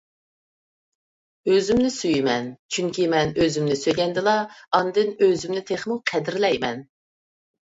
ئۆزۈمنى سۆيىمەن، چۈنكى مەن ئۆزۈمنى سۆيگەندىلا ئاندىن ئۆزۈمنى تېخىمۇ قەدىرلەيمەن.